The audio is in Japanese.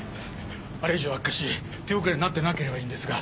あれ以上悪化し手遅れになってなければいいんですが。